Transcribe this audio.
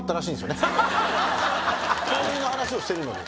盗塁の話をしてるのに。